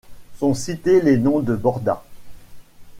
Sont cités les noms de Bordas.